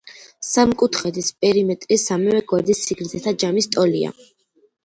სამკუთხედის პერიმეტრი სამივე გვერდის სიგრძეთა ჯამის ტოლია.